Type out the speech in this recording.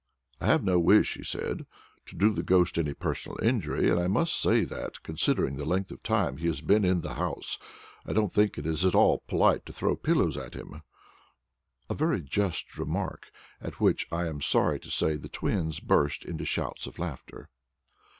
"I have no wish," he said, "to do the ghost any personal injury, and I must say that, considering the length of time he has been in the house, I don't think it is at all polite to throw pillows at him," a very just remark, at which, I am sorry to say, the twins burst into shouts of laughter.